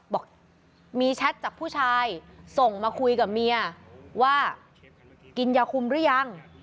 บอกมีแชทจากผู้ชายส่งมาคุยกับเมียว่ากินยาคุมหรือยัง